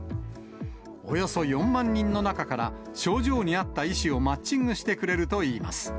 およそ４万人の中から、症状に合った医師をマッチングしてくれるといいます。